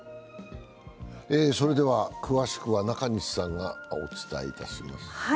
詳しくは中西さんがお伝えいたします。